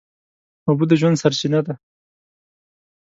اوبه د ژوند سرچینه ده.